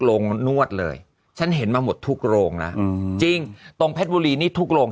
นวดเลยฉันเห็นมาหมดทุกโรงนะอืมจริงตรงเพชรบุรีนี่ทุกโรง